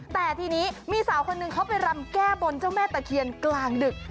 แต่ทีนี้มีสาวคนหนึ่งเขาไปรำแก้บนเจ้าแม่ตะเคียนกลางดึก